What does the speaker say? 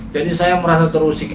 jadi saya merasa terusik